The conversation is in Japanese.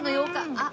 あっ。